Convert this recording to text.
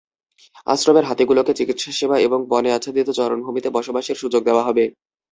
আশ্রমের হাতিগুলোকে চিকিৎসাসেবা এবং বনে আচ্ছাদিত চারণভূমিতে বসবাসের সুযোগ দেওয়া হবে।